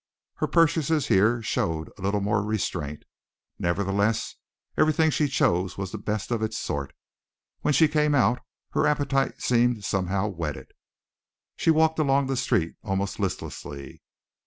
Her purchases here showed a little more restraint. Nevertheless, everything she chose was the best of its sort. When she came out, her appetite seemed somehow whetted. She walked along the street almost listlessly.